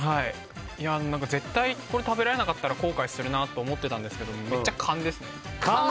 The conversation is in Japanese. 絶対食べられなかったら後悔するなと思ってたんですけどめっちゃ勘ですね。